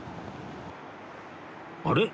あれ？